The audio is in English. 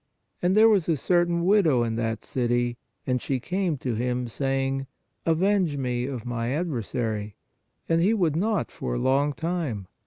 And there was a certain widow in that city, and she came to him, ii2 PRAYER saying: Avenge me of my adversary. And he would not for a long time.